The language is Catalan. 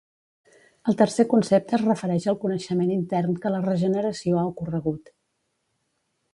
El tercer concepte es refereix al coneixement intern que la regeneració ha ocorregut.